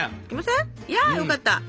いやよかった！ＯＫ！